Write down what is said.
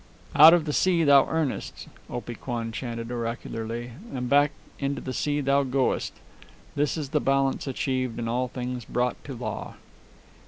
"Out of the sea thou earnest," Opee Kwan chanted oracularly, "and back into the sea thou goest. Thus is balance achieved and all things brought to law."